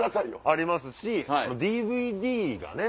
ありますしＤＶＤがね